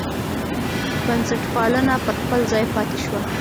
بنسټپالنه پر خپل ځای پاتې شوه.